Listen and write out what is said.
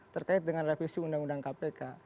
terkait dengan revisi undang undang kpk